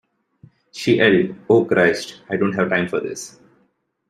She yelled, 'Oh, Christ, I don't have time for this.